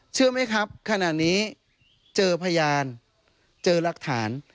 เชื่อไหมครับขณะนี้เจอพยานเจอรักฐาน